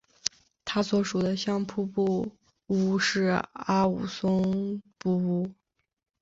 他所属的相扑部屋是阿武松部屋。